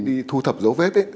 đi thu thập dấu vết